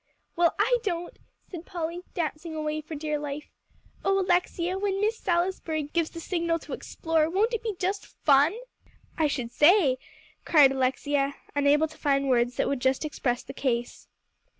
"Well, I don't," said Polly, dancing away for dear life. "Oh Alexia, when Miss Salisbury gives the signal to explore, won't it be just fun!" "I should say," cried Alexia, unable to find words that would just express the case.